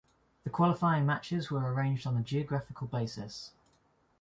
The qualifying matches were arranged on a geographical basis.